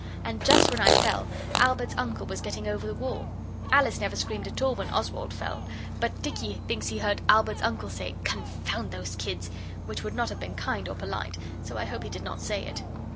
And just when I fell, Albert's uncle was getting over the wall. Alice never screamed at all when Oswald fell, but Dicky thinks he heard Albert's uncle say, 'Confound those kids!' which would not have been kind or polite, so I hope he did not say it.